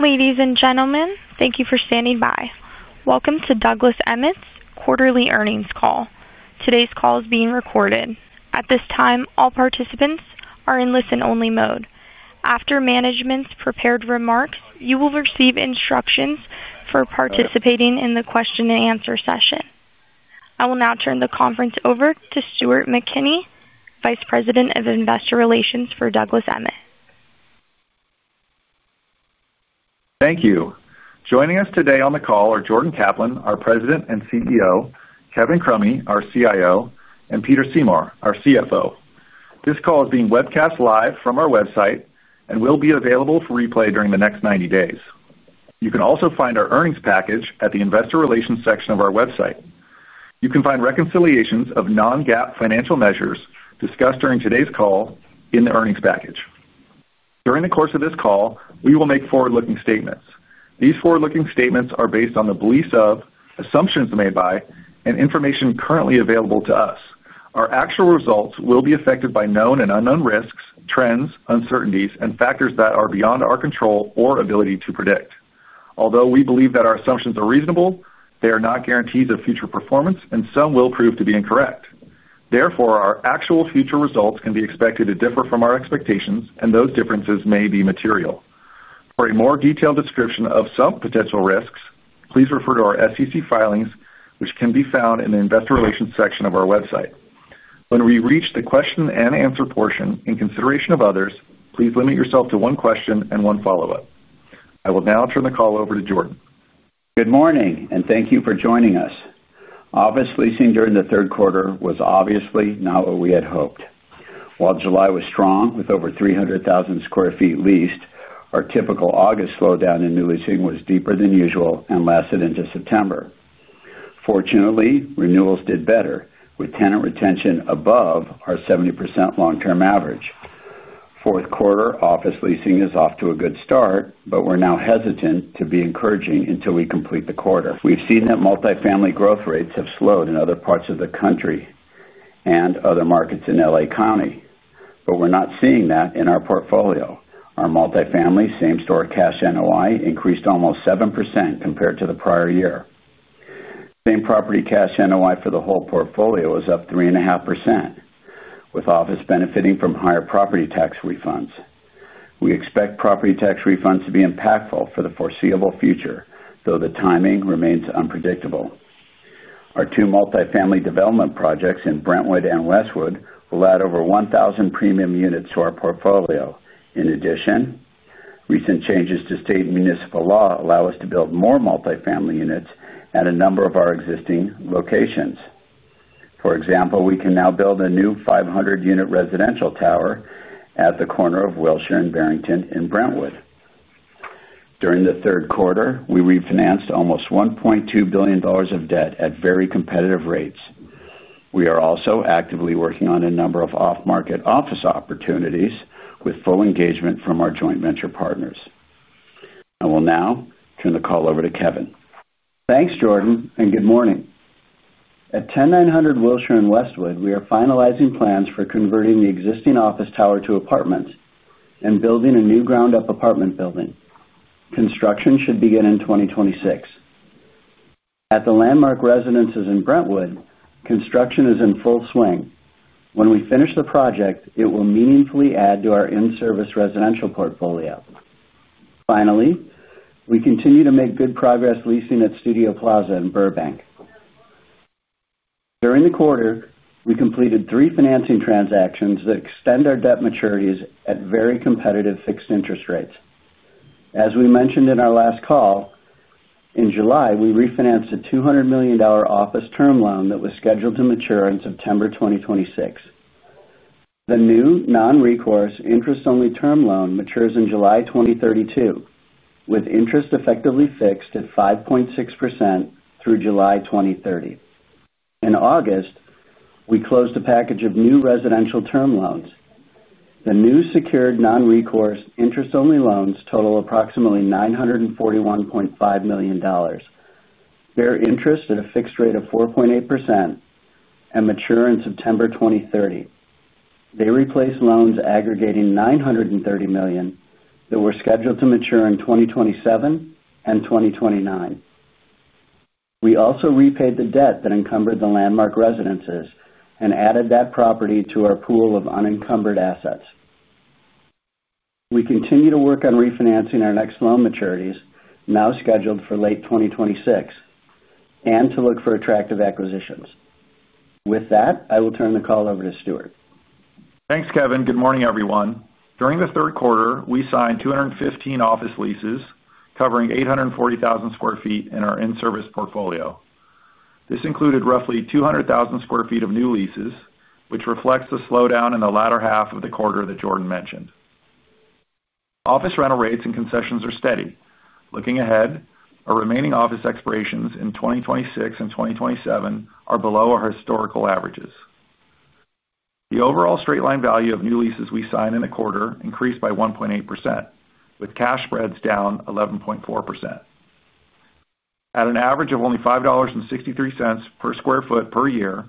Ladies and gentlemen, thank you for standing by. Welcome to Douglas Emmett's quarterly earnings call. Today's call is being recorded. At this time, all participants are in listen-only mode. After management's prepared remarks, you will receive instructions for participating in the question-and-answer session. I will now turn the conference over to Stuart McElhinney, Vice President of Investor Relations for Douglas Emmett. Thank you. Joining us today on the call are Jordan Kaplan, our President and CEO; Kevin Crummy, our CIO; and Peter Seymour, our CFO. This call is being webcast live from our website and will be available for replay during the next 90 days. You can also find our earnings package at the Investor Relations section of our website. You can find reconciliations of non-GAAP financial measures discussed during today's call in the earnings package. During the course of this call, we will make forward-looking statements. These forward-looking statements are based on the beliefs of, assumptions made by, and information currently available to us. Our actual results will be affected by known and unknown risks, trends, uncertainties, and factors that are beyond our control or ability to predict. Although we believe that our assumptions are reasonable, they are not guarantees of future performance, and some will prove to be incorrect. Therefore, our actual future results can be expected to differ from our expectations, and those differences may be material. For a more detailed description of some potential risks, please refer to our SEC filings, which can be found in the Investor Relations section of our website. When we reach the question-and-answer portion, in consideration of others, please limit yourself to one question and one follow-up. I will now turn the call over to Jordan. Good morning, and thank you for joining us. Obvious leasing during the third quarter was obviously not what we had hoped. While July was strong with over 300,000 sq ft leased, our typical August slowdown in new leasing was deeper than usual and lasted into September. Fortunately, renewals did better, with tenant retention above our 70% long-term average. Fourth quarter office leasing is off to a good start, but we're now hesitant to be encouraging until we complete the quarter. We've seen that multifamily growth rates have slowed in other parts of the country and other markets in LA County, but we're not seeing that in our portfolio. Our Multifamily same-store cash NOI increased almost 7% compared to the prior year. Same-property cash NOI for the whole portfolio is up 3.5%. With Office benefiting from higher property tax refunds, we expect property tax refunds to be impactful for the foreseeable future, though the timing remains unpredictable. Our two Multifamily development projects in Brentwood and Westwood will add over 1,000 premium units to our portfolio. In addition, recent changes to state and municipal law allow us to build more Multifamily units at a number of our existing locations. For example, we can now build a new 500-unit residential tower at the corner of Wilshire and Barrington in Brentwood. During the third quarter, we refinanced almost $1.2 billion of debt at very competitive rates. We are also actively working on a number of off-market office opportunities with full engagement from our joint venture partners. I will now turn the call over to Kevin. Thanks, Jordan, and good morning. At 10900 Wilshire and Westwood, we are finalizing plans for converting the existing Office tower to apartments and building a new ground-up apartment building. Construction should begin in 2026. At The Landmark Residences in Brentwood, construction is in full swing. When we finish the project, it will meaningfully add to our in-service Residential Portfolio. Finally, we continue to make good progress leasing at Studio Plaza in Burbank. During the quarter, we completed three financing transactions that extend our debt maturities at very competitive fixed interest rates. As we mentioned in our last call, in July, we refinanced a $200 million office term loan that was scheduled to mature in September 2026. The new non-recourse, interest-only term loan matures in July 2032, with interest effectively fixed at 5.6% through July 2030. In August, we closed a package of new residential term loans. The new secured non-recourse, interest-only loans total approximately $941.5 million. They interest at a fixed rate of 4.8%. They mature in September 2030. They replace loans aggregating $930 million that were scheduled to mature in 2027 and 2029. We also repaid the debt that encumbered The Landmark Residences and added that property to our pool of unencumbered assets. We continue to work on refinancing our next loan maturities, now scheduled for late 2026. We look for attractive acquisitions. With that, I will turn the call over to Stuart. Thanks, Kevin. Good morning, everyone. During the third quarter, we signed 215 office leases covering 840,000 sq ft in our In-Service Portfolio. This included roughly 200,000 sq ft of new leases, which reflects the slowdown in the latter half of the quarter that Jordan mentioned. Office rental rates and concessions are steady. Looking ahead, our remaining Office expirations in 2026 and 2027 are below our historical averages. The overall straight-line value of new leases we sign in the quarter increased by 1.8%, with cash spreads down 11.4%. At an average of only $5.63 per sq ft per year,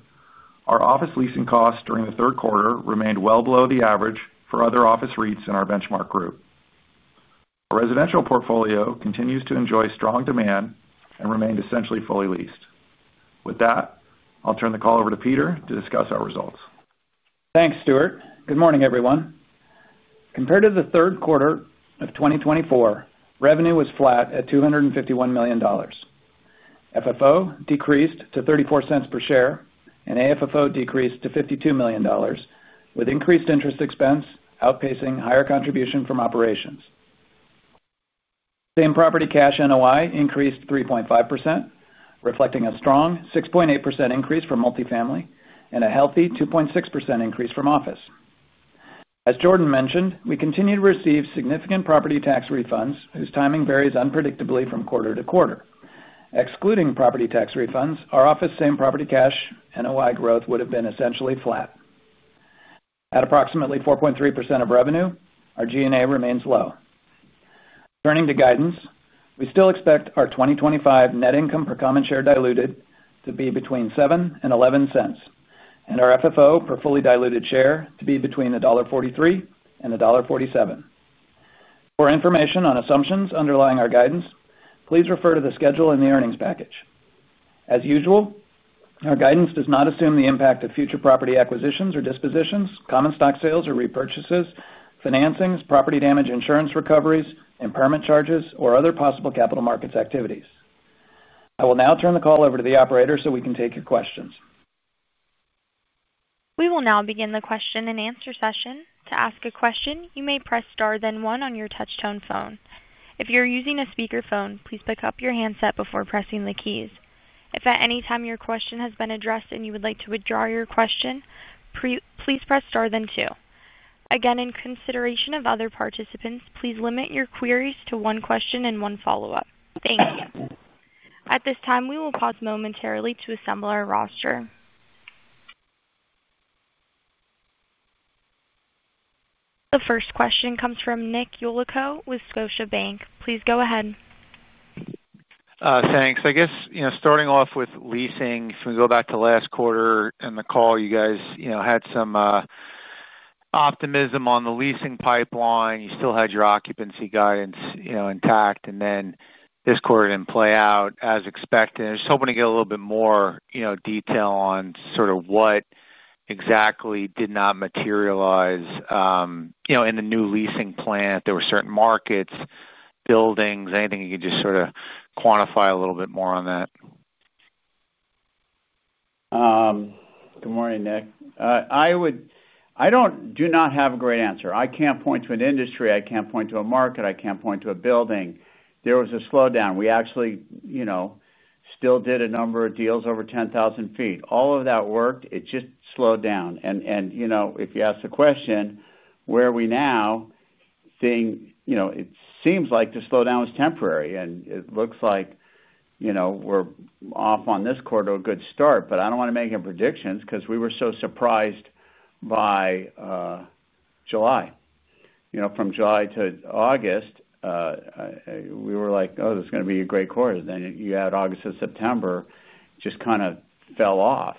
our office leasing costs during the third quarter remained well below the average for other office REITs in our benchmark group. Our Residential Portfolio continues to enjoy strong demand and remained essentially fully leased. With that, I'll turn the call over to Peter to discuss our results. Thanks, Stuart. Good morning, everyone. Compared to the third quarter of 2024, revenue was flat at $251 million. FFO decreased to $0.34 per share, and AFFO decreased to $52 million, with increased interest expense outpacing higher contribution from operations. Same-property cash NOI increased 3.5%, reflecting a strong 6.8% increase for Multifamily and a healthy 2.6% increase from Office. As Jordan mentioned, we continue to receive significant property tax refunds, whose timing varies unpredictably from quarter-to-quarter. Excluding property tax refunds, our office same-property cash NOI growth would have been essentially flat. At approximately 4.3% of revenue, our G&A remains low. Turning to guidance, we still expect our 2025 net income per common share diluted to be between $0.07 and $0.11, and our FFO per fully diluted share to be between $1.43 and $1.47. For information on assumptions underlying our guidance, please refer to the schedule in the earnings package. As usual, our guidance does not assume the impact of future property acquisitions or dispositions, common stock sales or repurchases, financings, property damage insurance recoveries, impairment charges, or other possible capital markets activities. I will now turn the call over to the operator so we can take your questions. We will now begin the question-and-answer session. To ask a question, you may press star then one on your touch-tone phone. If you're using a speakerphone, please pick up your handset before pressing the keys. If at any time your question has been addressed and you would like to withdraw your question, please press star then two. Again, in consideration of other participants, please limit your queries to one question and one follow-up. Thank you. At this time, we will pause momentarily to assemble our roster. The first question comes from Nick Yulico with Scotiabank. Please go ahead. Thanks. I guess starting off with leasing, if we go back to last quarter and the call, you guys had some optimism on the leasing pipeline. You still had your occupancy guidance intact, and then this quarter did not play out as expected. I was hoping to get a little bit more detail on sort of what exactly did not materialize in the new leasing plan. If there were certain markets, buildings, anything you could just sort of quantify a little bit more on that. Good morning, Nick. I do not have a great answer. I can't point to an industry. I can't point to a market. I can't point to a building. There was a slowdown. We actually still did a number of deals over 10,000 ft. All of that worked. It just slowed down. If you ask the question, where are we now, it seems like the slowdown was temporary, and it looks like we're off on this quarter a good start. I don't want to make any predictions because we were so surprised by July. From July to August, we were like, "Oh, this is going to be a great quarter." August and September just kind of fell off,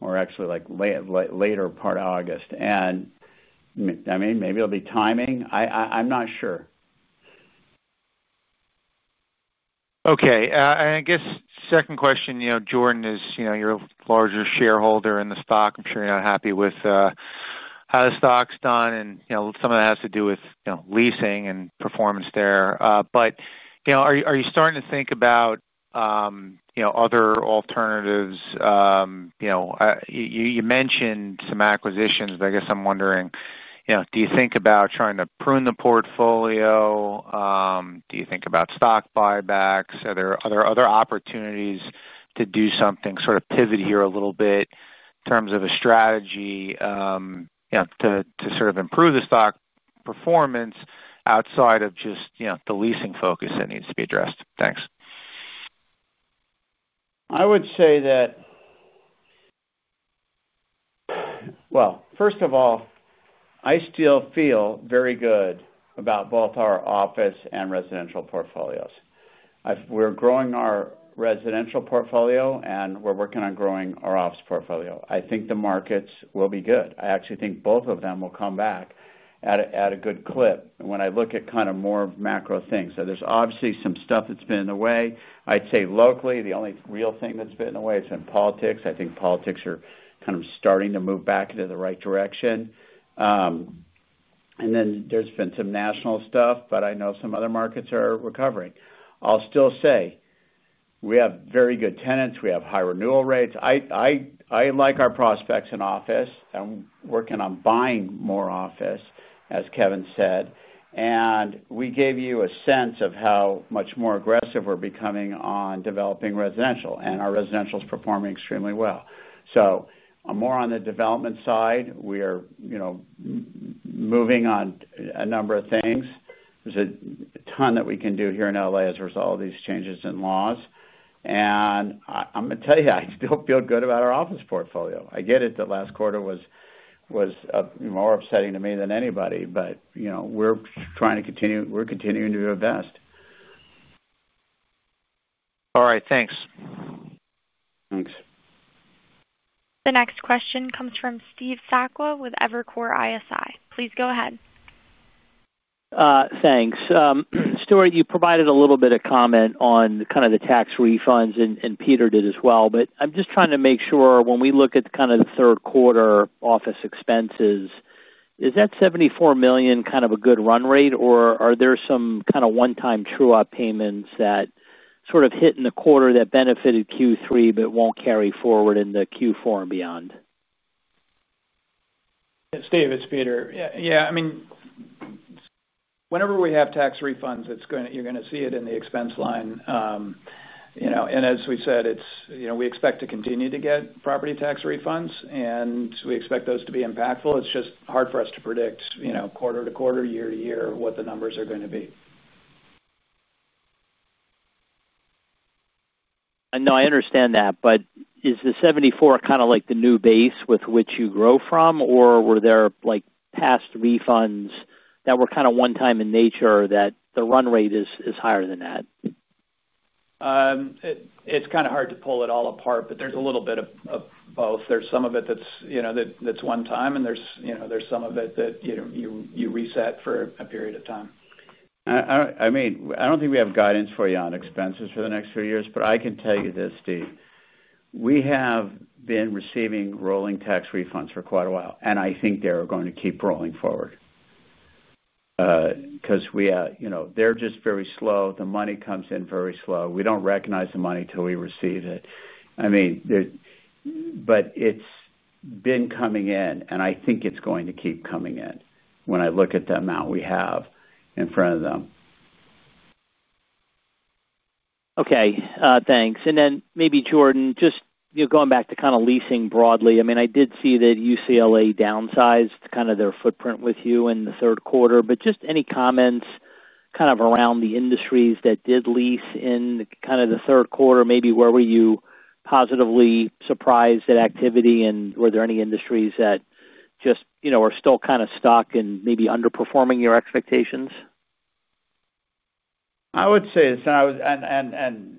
or actually later, part of August. I mean, maybe it'll be timing. I'm not sure. Okay. I guess second question, Jordan, is you're a larger shareholder in the stock. I'm sure you're not happy with how the stock's done, and some of that has to do with leasing and performance there. Are you starting to think about other alternatives? You mentioned some acquisitions, but I guess I'm wondering, do you think about trying to prune the portfolio? Do you think about stock buybacks? Are there other opportunities to do something, sort of pivot here a little bit in terms of a strategy to sort of improve the stock performance outside of just the leasing focus that needs to be addressed? Thanks. I would say that. First of all, I still feel very good about both our Office and Residential Portfolios. We're growing our Residential Portfolio, and we're working on growing our Office Portfolio. I think the markets will be good. I actually think both of them will come back at a good clip. When I look at kind of more macro things, there is obviously some stuff that's been in the way. I'd say locally, the only real thing that's been in the way has been politics. I think politics are kind of starting to move back into the right direction. There has been some national stuff, but I know some other markets are recovering. I'll still say we have very good tenants. We have high renewal rates. I like our prospects in Office. I'm working on buying more Office, as Kevin said. We gave you a sense of how much more aggressive we're becoming on developing Residential, and our Residential is performing extremely well. I am more on the development side. We are moving on a number of things. There is a ton that we can do here in LA as there are all these changes in laws. I am going to tell you, I still feel good about our Office Portfolio. I get it that last quarter was more upsetting to me than anybody, but we're trying to continue to invest. All right. Thanks. Thanks. The next question comes from Steve Sakwa with Evercore ISI. Please go ahead. Thanks. Stuart, you provided a little bit of comment on kind of the tax refunds, and Peter did as well. But I'm just trying to make sure when we look at kind of the third quarter Office expenses, is that $74 million kind of a good run rate, or are there some kind of one-time true-up payments that sort of hit in the quarter that benefited Q3 but won't carry forward in the Q4 and beyond? It's Steve. It's Peter. Yeah. I mean, whenever we have tax refunds, you're going to see it in the expense line. As we said, we expect to continue to get property tax refunds, and we expect those to be impactful. It's just hard for us to predict quarter-to-quarter, year-to-year, what the numbers are going to be. No, I understand that. But is the 74 kind of like the new base with which you grow from, or were there past refunds that were kind of one-time in nature that the run rate is higher than that? It's kind of hard to pull it all apart, but there's a little bit of both. There's some of it that's one-time, and there's some of it that you reset for a period of time. I mean, I don't think we have guidance for you on expenses for the next three years, but I can tell you this, Steve. We have been receiving rolling tax refunds for quite a while, and I think they're going to keep rolling forward. They're just very slow. The money comes in very slow. We don't recognize the money till we receive it. I mean, it's been coming in, and I think it's going to keep coming in when I look at the amount we have in front of them. Okay. Thanks. Maybe, Jordan, just going back to kind of leasing broadly, I mean, I did see that UCLA downsized kind of their footprint with you in the third quarter. Just any comments kind of around the industries that did lease in kind of the third quarter? Maybe where were you positively surprised at activity, and were there any industries that just are still kind of stuck and maybe underperforming your expectations? I would say, and.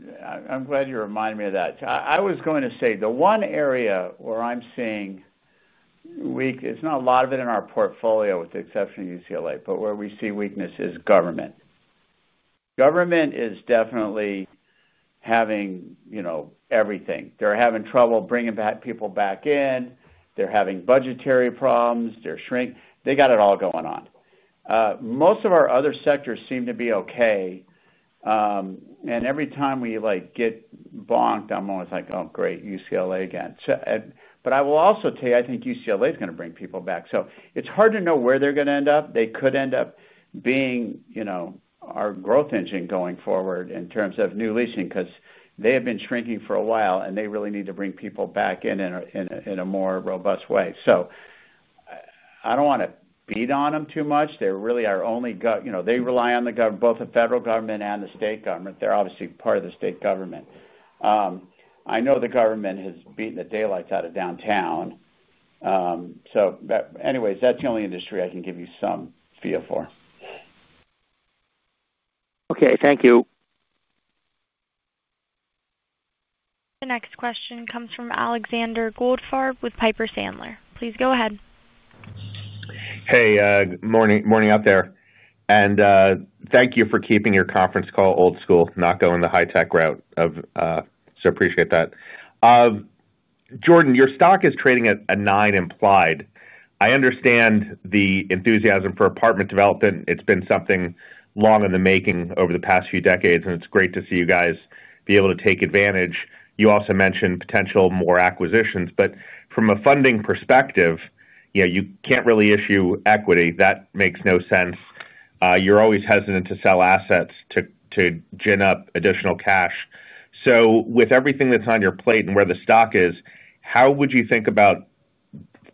I'm glad you reminded me of that. I was going to say the one area where I'm seeing. Weak—it's not a lot of it in our portfolio with the exception of UCLA—but where we see weakness is government. Government is definitely. Having. Everything. They're having trouble bringing people back in. They're having budgetary problems. They're shrinking. They got it all going on. Most of our other sectors seem to be okay. Every time we get bonked, I'm always like, "Oh, great. UCLA again." I will also tell you, I think UCLA is going to bring people back. It's hard to know where they're going to end up. They could end up being. Our growth engine going forward in terms of new leasing because they have been shrinking for a while, and they really need to bring people back in. In a more robust way. I do not want to beat on them too much. They really are only—they rely on the government, both the federal government and the state government. They are obviously part of the state government. I know the government has beaten the daylights out of downtown. Anyways, that is the only industry I can give you some feel for. Okay. Thank you. The next question comes from Alexander Goldfarb with Piper Sandler. Please go ahead. Hey. Morning out there. Thank you for keeping your conference call old school, not going the high-tech route. Appreciate that. Jordan, your stock is trading at a 9 implied. I understand the enthusiasm for apartment development. It's been something long in the making over the past few decades, and it's great to see you guys be able to take advantage. You also mentioned potential more acquisitions. From a funding perspective, you can't really issue equity. That makes no sense. You're always hesitant to sell assets to gin up additional cash. With everything that's on your plate and where the stock is, how would you think about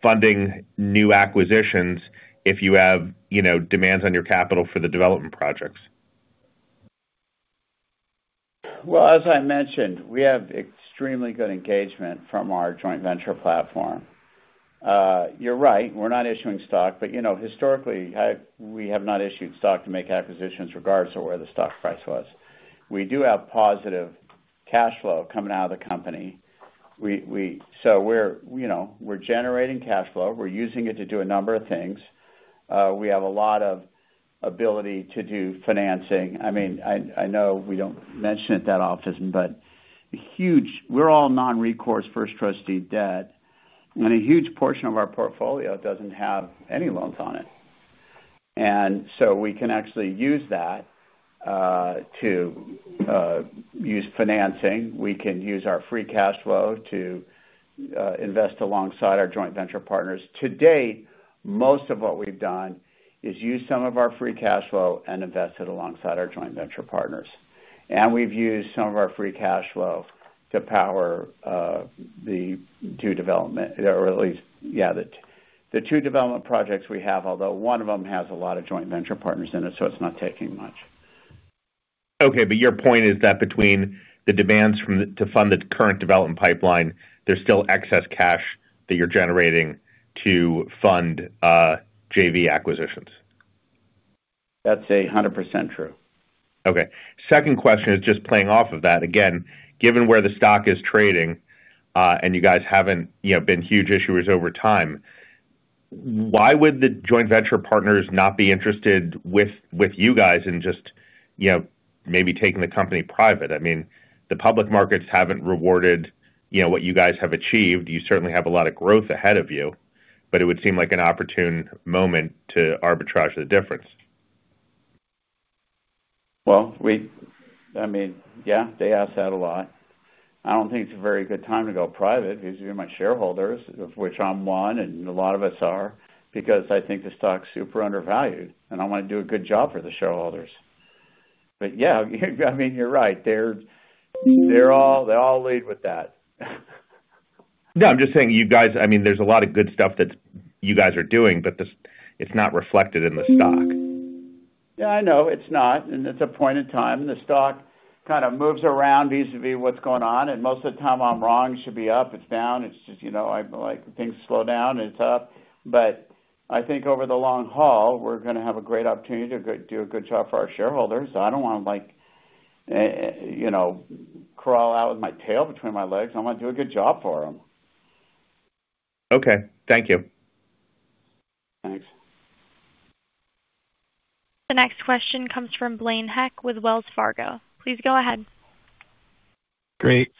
funding new acquisitions if you have demands on your capital for the development projects? As I mentioned, we have extremely good engagement from our joint venture platform. You're right. We're not issuing stock. Historically, we have not issued stock to make acquisitions regardless of where the stock price was. We do have positive cash flow coming out of the company. We're generating cash flow. We're using it to do a number of things. We have a lot of ability to do financing. I mean, I know we don't mention it that often, but we're all non-recourse first trust deed debt, and a huge portion of our portfolio doesn't have any loans on it. We can actually use that to use financing. We can use our free cash flow to invest alongside our joint venture partners. Today, most of what we've done is use some of our free cash flow and invest it alongside our joint venture partners. We have used some of our free cash flow to power the two development, or at least, yeah, the two development projects we have, although one of them has a lot of joint venture partners in it, so it is not taking much. Okay. Your point is that between the demands to fund the current development pipeline, there is still excess cash that you are generating to fund JV acquisitions. That's 100% true. Okay. Second question is just playing off of that. Again, given where the stock is trading and you guys haven't been huge issuers over time. Why would the joint venture partners not be interested with you guys in just, maybe taking the company private? I mean, the public markets haven't rewarded what you guys have achieved. You certainly have a lot of growth ahead of you, but it would seem like an opportune moment to arbitrage the difference. I mean, yeah, they ask that a lot. I don't think it's a very good time to go private because you're my shareholders, of which I'm one, and a lot of us are, because I think the stock's super undervalued. I want to do a good job for the shareholders. Yeah, I mean, you're right. They all lead with that. No, I'm just saying you guys—I mean, there's a lot of good stuff that you guys are doing, but it's not reflected in the stock. Yeah, I know. It's not. It's a point in time. The stock kind of moves around vis-à-vis what's going on. Most of the time, I'm wrong. It should be up. It's down. Things slow down, and it's up. I think over the long haul, we're going to have a great opportunity to do a good job for our shareholders. I don't want to crawl out with my tail between my legs. I want to do a good job for them. Okay. Thank you. Thanks. The next question comes from Blaine Heck with Wells Fargo. Please go ahead. Great.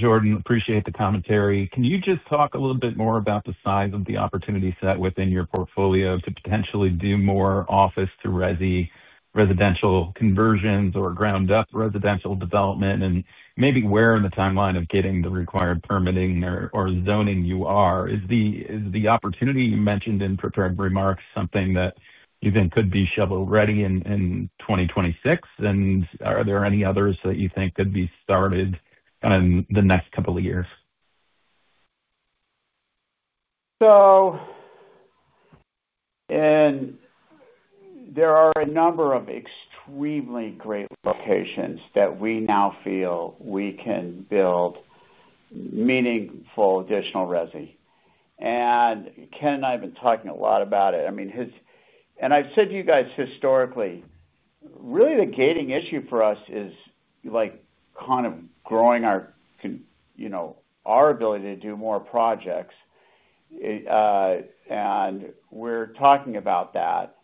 Jordan, appreciate the commentary. Can you just talk a little bit more about the size of the opportunity set within your portfolio to potentially do more Office-to-Residential conversions or ground-up Residential development? Maybe where in the timeline of getting the required permitting or zoning you are? Is the opportunity you mentioned in prepared remarks something that you think could be shovel-ready in 2026? Are there any others that you think could be started in the next couple of years? There are a number of extremely great locations that we now feel we can build meaningful additional resi. Ken and I have been talking a lot about it. I mean, I've said to you guys historically, really the gating issue for us is kind of growing our ability to do more projects. We're talking about that.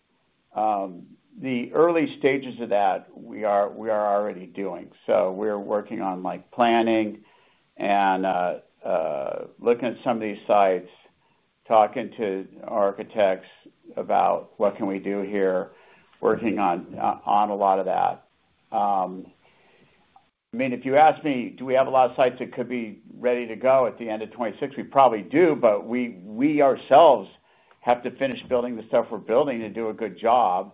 The early stages of that, we are already doing. We're working on planning and looking at some of these sites, talking to architects about what can we do here, working on a lot of that. I mean, if you ask me, do we have a lot of sites that could be ready to go at the end of 2026? We probably do, but we ourselves have to finish building the stuff we're building to do a good job.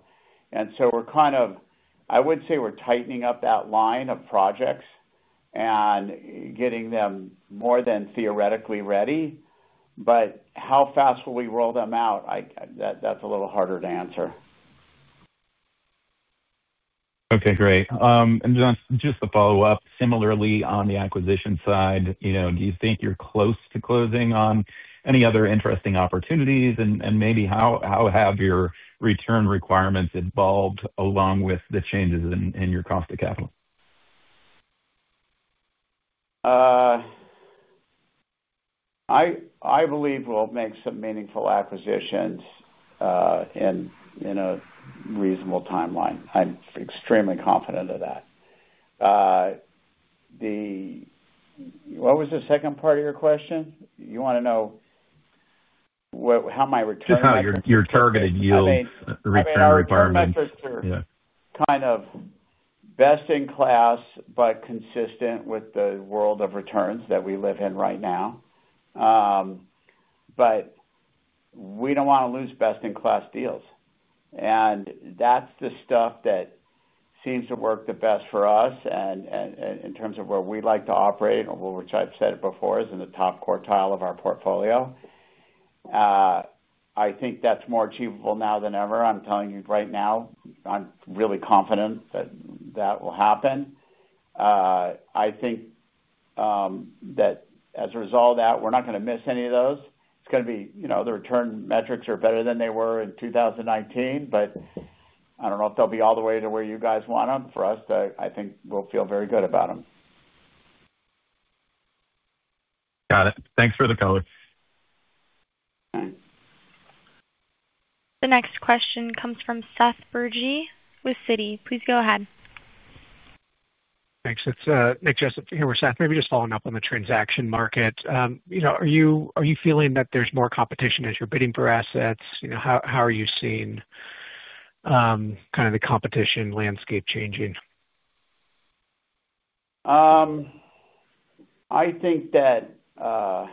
We are kind of—I would say we are tightening up that line of projects and getting them more than theoretically ready. How fast will we roll them out? That is a little harder to answer. Okay. Great. Just to follow up, similarly on the acquisition side, do you think you're close to closing on any other interesting opportunities? Maybe how have your return requirements evolved along with the changes in your cost of capital? I believe we'll make some meaningful acquisitions in a reasonable timeline. I'm extremely confident of that. What was the second part of your question? You want to know how my returns are? Just how your targeted yield return requirements? I mean, I'm not sure. Kind of best in class but consistent with the world of returns that we live in right now. We do not want to lose best-in-class deals, and that's the stuff that seems to work the best for us. In terms of where we like to operate, which I've said before, is in the top quartile of our portfolio. I think that's more achievable now than ever. I'm telling you right now, I'm really confident that that will happen. I think that as a result of that, we're not going to miss any of those. The return metrics are better than they were in 2019, but I do not know if they'll be all the way to where you guys want them. For us, I think we'll feel very good about them. Got it. Thanks for the color. The next question comes from Seth Bergey with Citi. Please go ahead. Thanks. It's Nick Joseph here with Seth. Maybe just following up on the transaction market. Are you feeling that there's more competition as you're bidding for assets? How are you seeing, kind of, the competition landscape changing? I think that. We're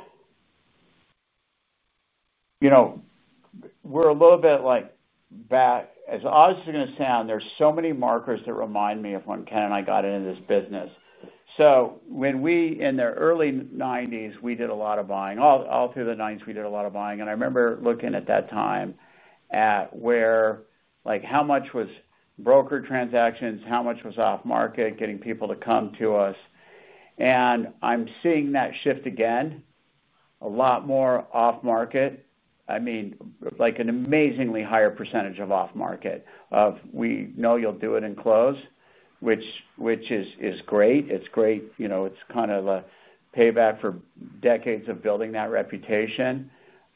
a little bit like—as odd as it's going to sound, there's so many markers that remind me of when Ken and I got into this business. When we—in the early 1990s, we did a lot of buying. All through the 1990s, we did a lot of buying. I remember looking at that time at where. How much was broker transactions, how much was off-market, getting people to come to us. I'm seeing that shift again. A lot more off-market. I mean, an amazingly higher percentage of off-market of we know you'll do it in close, which. Is great. It's great. It's kind of a payback for decades of building that reputation.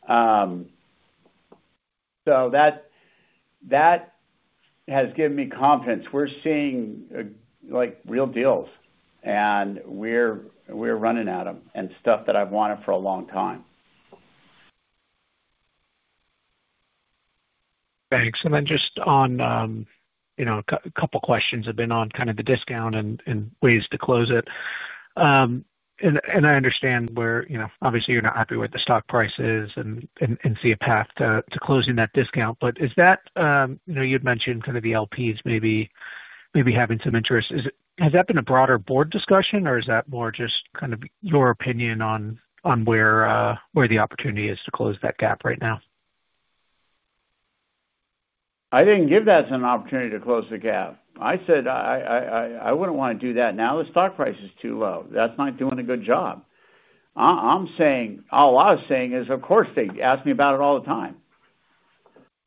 That has given me confidence. We're seeing real deals, and we're running at them and stuff that I've wanted for a long time. Thanks. And then just on a couple of questions, I've been on kind of the discount and ways to close it. I understand where obviously you're not happy with the stock prices and see a path to closing that discount. Is that—you'd mentioned kind of the LPs maybe having some interest. Has that been a broader board discussion, or is that more just kind of your opinion on where the opportunity is to close that gap right now? I didn't give that as an opportunity to close the gap. I said, "I wouldn't want to do that now. The stock price is too low. That's not doing a good job." All I was saying is, of course, they ask me about it all the time.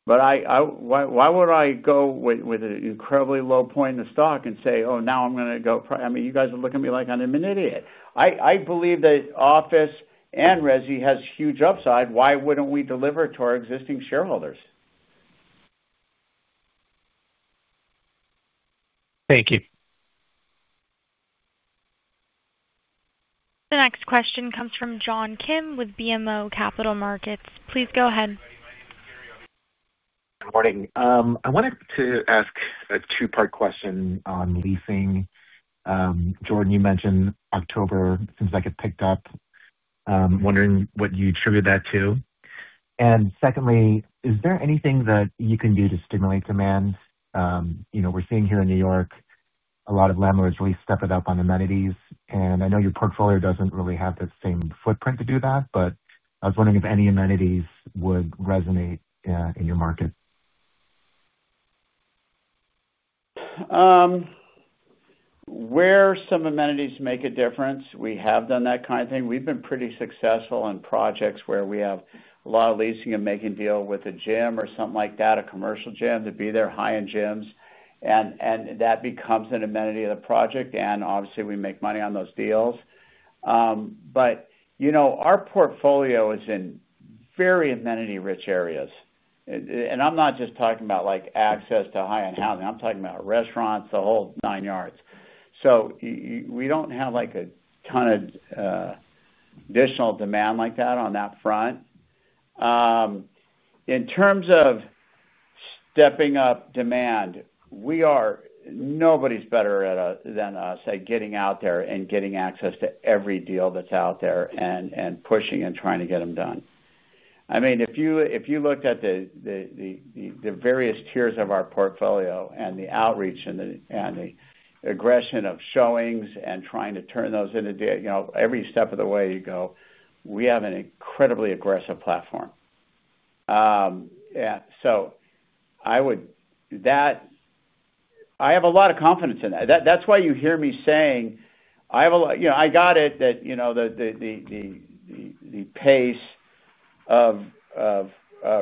Why would I go with an incredibly low point in the stock and say, "Oh, now I'm going to go?" I mean, you guys are looking at me like I'm an idiot. I believe that Office and Resi has huge upside. Why wouldn't we deliver it to our existing shareholders? Thank you. The next question comes from John Kim with BMO Capital Markets. Please go ahead. Good morning. I wanted to ask a two-part question on leasing. Jordan, you mentioned October seems like it picked up. I'm wondering what you attribute that to. Secondly, is there anything that you can do to stimulate demand? We're seeing here in New York, a lot of landlords really stepping up on amenities. I know your portfolio doesn't really have the same footprint to do that, but I was wondering if any amenities would resonate in your market. Where some amenities make a difference, we have done that kind of thing. We've been pretty successful in projects where we have a lot of leasing and making deals with a gym or something like that, a commercial gym, to be there, high-end gyms. That becomes an amenity of the project. Obviously, we make money on those deals. Our portfolio is in very amenity-rich areas. I'm not just talking about access to high-end housing. I'm talking about restaurants, the whole nine yd. We do not have a ton of additional demand like that on that front. In terms of stepping up demand, nobody's better than us at getting out there and getting access to every deal that's out there and pushing and trying to get them done. I mean, if you looked at the. Various tiers of our portfolio and the outreach and the aggression of showings and trying to turn those into every step of the way you go, we have an incredibly aggressive platform. Yeah. I have a lot of confidence in that. That is why you hear me saying I have a lot—I got it that. The pace of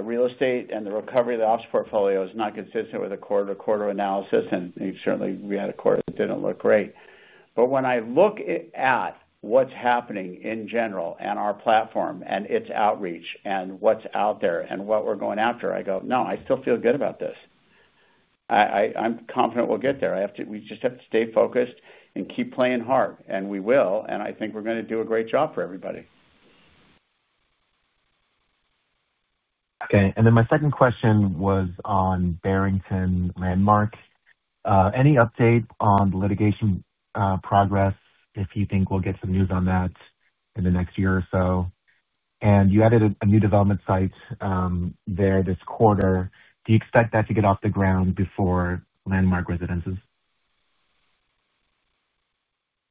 real estate and the recovery of the Office Portfolio is not consistent with a quarter-to-quarter analysis. Certainly, we had a quarter that did not look great. When I look at what is happening in general and our platform and its outreach and what is out there and what we are going after, I go, "No, I still feel good about this." I am confident we will get there. We just have to stay focused and keep playing hard. We will. I think we are going to do a great job for everybody. Okay. My second question was on Barrington Landmark. Any update on the litigation progress if you think we will get some news on that in the next year or so? You added a new development site there this quarter. Do you expect that to get off the ground before Landmark Residences?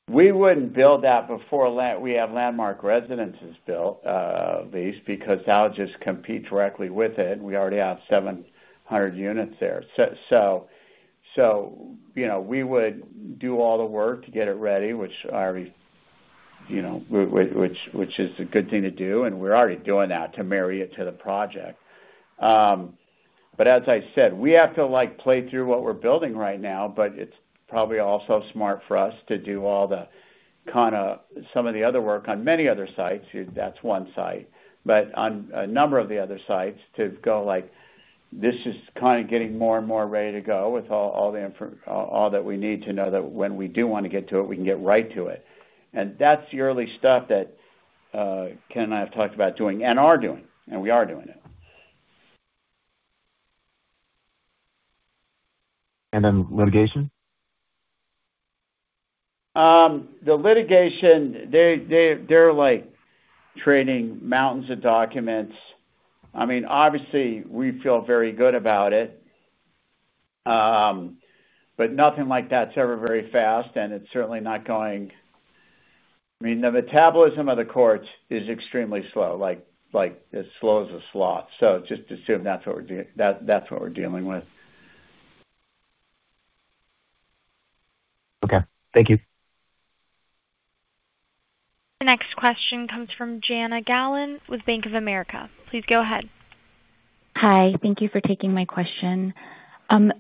We would not build that before we have Landmark Residences built, at least because that would just compete directly with it. We already have 700 units there, so we would do all the work to get it ready, which is a good thing to do, and we are already doing that to marry it to the project. As I said, we have to play through what we are building right now, but it is probably also smart for us to do all the kind of some of the other work on many other sites. That is one site, but on a number of the other sites to go like, "This is kind of getting more and more ready to go with all the, that we need to know that when we do want to get to it, we can get right to it." That is the early stuff that. Ken and I have talked about doing and are doing. We are doing it. And then litigation? The litigation. They're trading mountains of documents. I mean, obviously, we feel very good about it. Nothing like that's ever very fast. It is certainly not going— I mean, the metabolism of the courts is extremely slow, as slow as a sloth. Just assume that's what we're dealing with. Okay. Thank you. The next question comes from Jana Galan with Bank of America. Please go ahead. Hi. Thank you for taking my question.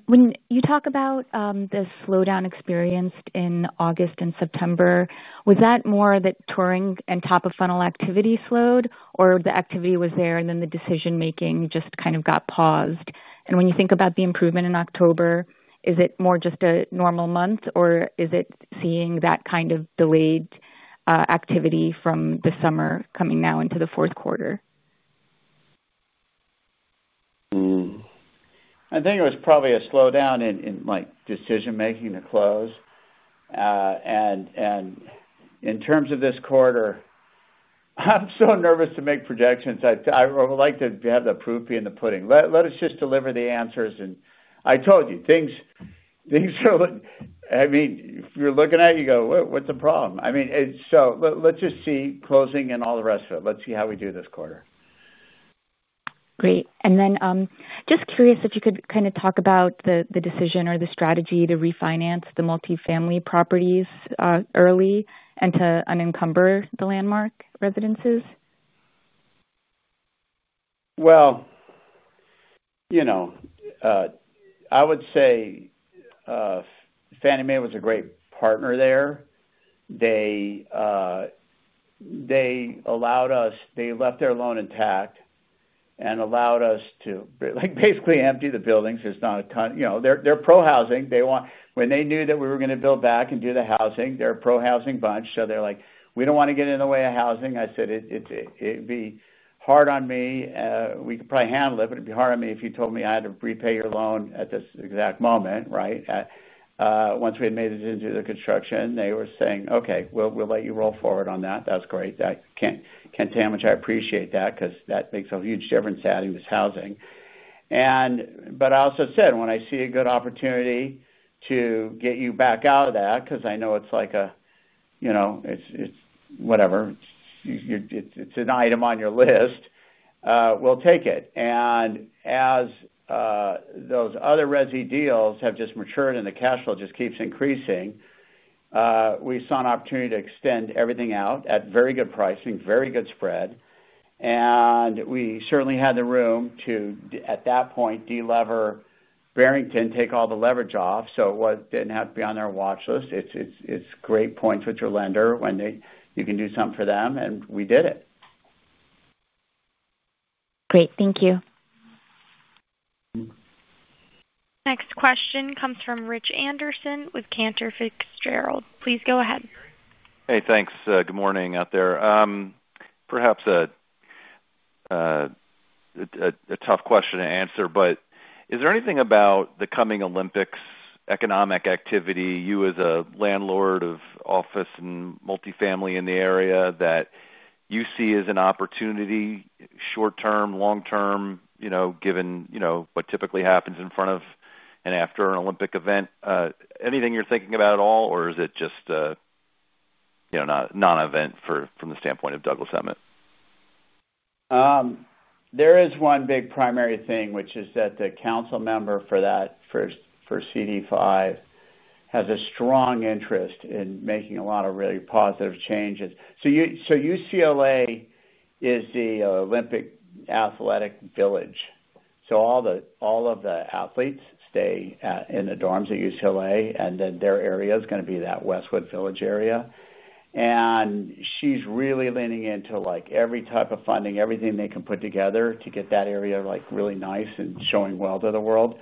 When you talk about the slowdown experienced in August and September, was that more that touring and top-of-funnel activity slowed, or the activity was there and then the decision-making just kind of got paused? When you think about the improvement in October, is it more just a normal month, or is it seeing that kind of delayed activity from the summer coming now into the fourth quarter? I think it was probably a slowdown in decision-making to close. In terms of this quarter, I'm so nervous to make projections. I would like to have the proof be in the pudding. Let us just deliver the answers. I told you, things are—I mean, if you're looking at it, you go, "What's the problem?" I mean, let's just see closing and all the rest of it. Let's see how we do this quarter. Great. Just curious if you could kind of talk about the decision or the strategy to refinance the Multifamily properties early and to unencumber the Landmark Residences. I would say Fannie Mae was a great partner there. They allowed us—they left their loan intact and allowed us to basically empty the buildings. There's not a—they're pro-housing. When they knew that we were going to build back and do the housing, they're a pro-housing bunch. They were like, "We don't want to get in the way of housing." I said, "It'd be hard on me. We could probably handle it, but it'd be hard on me if you told me I had to repay your loan at this exact moment, right?" Once we had made it into the construction, they were saying, "Okay, we'll let you roll forward on that. That's great." I can't damage—I appreciate that because that makes a huge difference to adding this housing. I also said, "When I see a good opportunity to get you back out of that," because I know it's like a— It's whatever. It's an item on your list. We'll take it. As those other resi deals have just matured and the cash flow just keeps increasing, we saw an opportunity to extend everything out at very good pricing, very good spread. We certainly had the room to, at that point, delever Barrington, take all the leverage off so it did not have to be on their watch list. It's great points with your lender when you can do something for them. We did it. Great. Thank you. The next question comes from Rich Anderson with Cantor Fitzgerald. Please go ahead. Hey, thanks. Good morning out there. Perhaps a tough question to answer, but is there anything about the coming Olympics economic activity, you as a landlord of Office and Multifamily in the area, that you see as an opportunity short-term, long-term, given what typically happens in front of and after an Olympic event? Anything you're thinking about at all, or is it just not an event from the standpoint of Douglas Emmett? There is one big primary thing, which is that the council member for that, CD5, has a strong interest in making a lot of really positive changes. UCLA is the Olympic athletic village. All of the athletes stay in the dorms at UCLA, and then their area is going to be that Westwood Village area. She is really leaning into every type of funding, everything they can put together to get that area really nice and showing well to the world.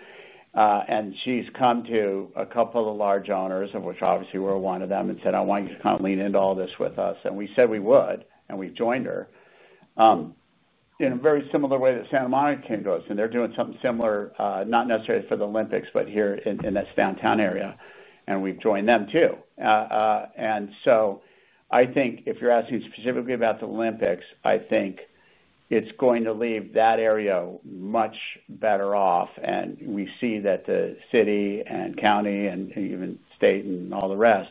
She has come to a couple of large donors, of which obviously we are one of them, and said, "I want you to come lean into all this with us." We said we would, and we have joined her. In a very similar way that Santa Monica came to us, and they are doing something similar, not necessarily for the Olympics, but here in this downtown area. We have joined them too. I think if you are asking specifically about the Olympics, I think it is going to leave that area much better off. We see that the city and county and even state and all the rest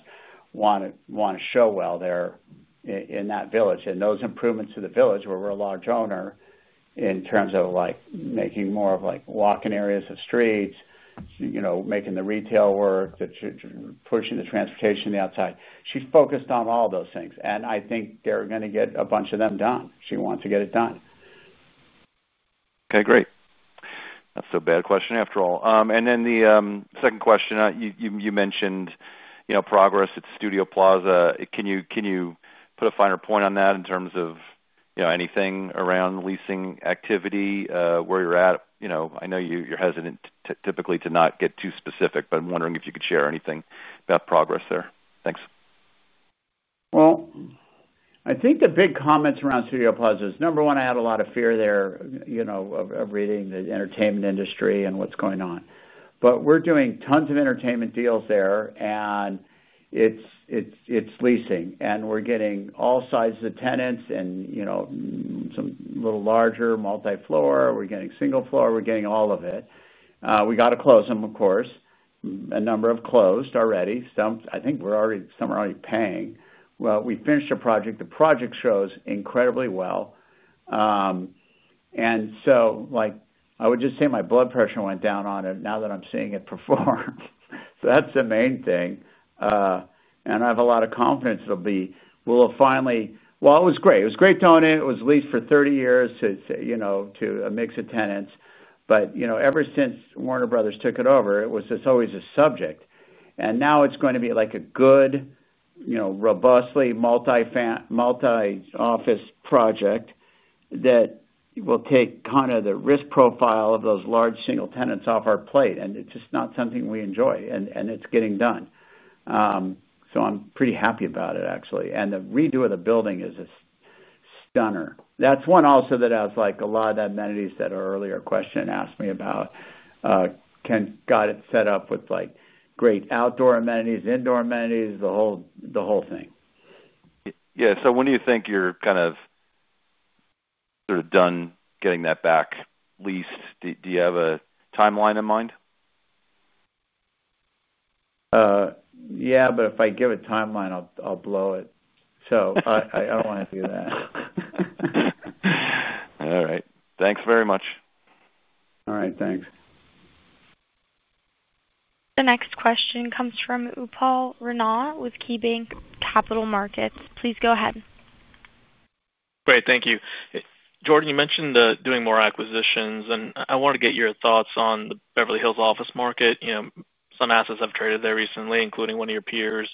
want to show well there in that village. Those improvements to the village, where we are a large owner, in terms of making more of walking areas of streets, making the retail work, pushing the transportation to the outside. She is focused on all those things. I think they are going to get a bunch of them done. She wants to get it done. Okay. Great. That's a bad question after all. The second question, you mentioned progress at Studio Plaza. Can you put a finer point on that in terms of anything around leasing activity where you're at? I know you're hesitant typically to not get too specific, but I'm wondering if you could share anything about progress there. Thanks. I think the big comments around Studio Plaza is, number one, I had a lot of fear there. Of reading the entertainment industry and what's going on. We are doing tons of entertainment deals there, and it is leasing. We are getting all sizes of tenants. Some little larger multi-floor. We are getting single-floor. We are getting all of it. We have to close them, of course. A number have closed already. I think some are already paying. We finished a project. The project shows incredibly well. I would just say my blood pressure went down on it now that I am seeing it perform. That is the main thing. I have a lot of confidence it will be—well, it was great. It was great to own it. It was leased for 30 years to a mix of tenants. Ever since Warner Brothers took it over, it was always a subject. Now it is going to be a good, robustly multi-office project that will take kind of the risk profile of those large single tenants off our plate. It is just not something we enjoy. It is getting done. I am pretty happy about it, actually. The redo of the building is stunning. That is one also that has a lot of the amenities that our earlier question asked me about. Can get set up with great outdoor amenities, indoor amenities, the whole thing. Yeah. When do you think you're kind of, sort of done getting that back leased? Do you have a timeline in mind? Yeah, but if I give a timeline, I'll blow it. So I don't want to do that. All right. Thanks very much. All right. Thanks. The next question comes from Upal Rana with KeyBanc Capital Markets. Please go ahead. Great. Thank you. Jordan, you mentioned doing more acquisitions. I wanted to get your thoughts on the Beverly Hills Office market. Some assets have traded there recently, including one of your peers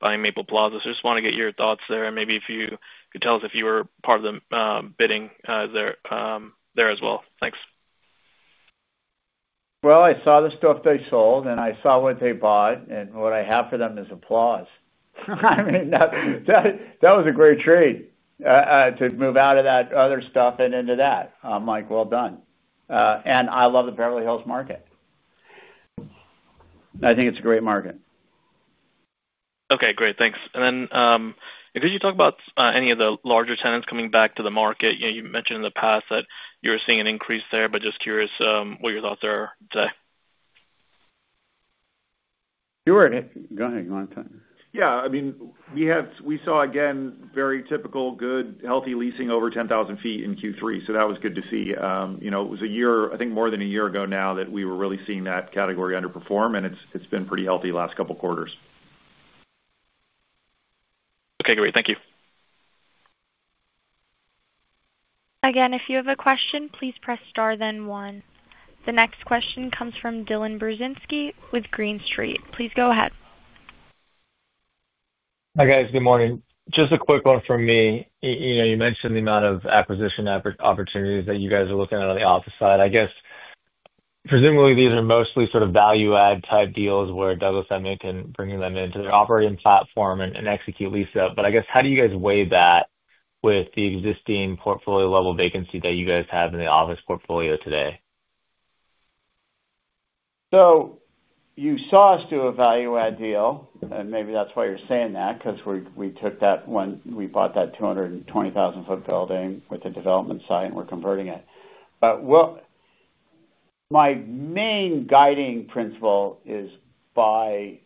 buying Maple Plaza. I just want to get your thoughts there. Maybe if you could tell us if you were part of the bidding there as well. Thanks. I saw the stuff they sold, and I saw what they bought. What I have for them is applause. I mean, that was a great trade. To move out of that other stuff and into that. I'm like, "Well done." I love the Beverly Hills market. I think it's a great market. Okay. Great. Thanks. Could you talk about any of the larger tenants coming back to the market? You mentioned in the past that you were seeing an increase there, but just curious what your thoughts are today. You were—go ahead. You want to— Yeah. I mean, we saw, again, very typical, good, healthy leasing over 10,000 ft in Q3. That was good to see. It was a year, I think more than a year ago now that we were really seeing that category underperform. It has been pretty healthy the last couple of quarters. Okay. Great. Thank you. Again, if you have a question, please press star then one. The next question comes from Dylan Burzinski with Green Street. Please go ahead. Hi, guys. Good morning. Just a quick one from me. You mentioned the amount of acquisition opportunities that you guys are looking at on the Office side. I guess. Presumably these are mostly sort of value-add type deals where Douglas Emmett can bring them into their operating platform and execute lease up. I guess, how do you guys weigh that with the existing portfolio level vacancy that you guys have in the Office Portfolio today? You saw us do a value-add deal. Maybe that's why you're saying that, because we took that one; we bought that 220,000 ft building with a development site, and we're converting it. My main guiding principle is: buy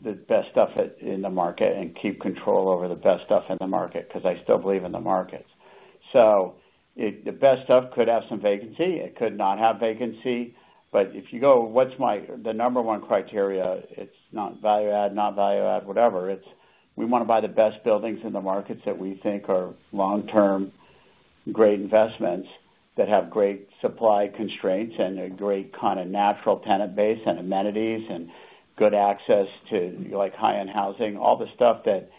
the best stuff in the market and keep control over the best stuff in the market because I still believe in the markets. The best stuff could have some vacancy. It could not have vacancy. If you go, what's the number one criteria? It's not value-add, not value-add, whatever. We want to buy the best buildings in the markets that we think are long-term great investments that have great supply constraints and a great kind of natural tenant base and amenities and good access to high-end housing, all the stuff that.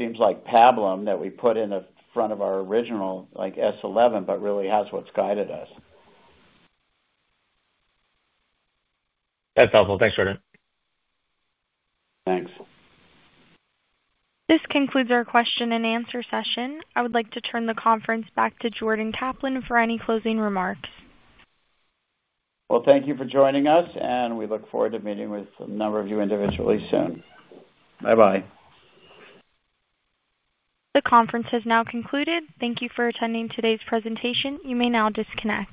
Seems like pablum that we put in the front of our original S-11, but really has what's guided us. That's helpful. Thanks, Jordan. Thanks. This concludes our question-and-answer session. I would like to turn the conference back to Jordan Kaplan for any closing remarks. Thank you for joining us. We look forward to meeting with a number of you individually soon. Bye-bye. The conference has now concluded. Thank you for attending today's presentation. You may now disconnect.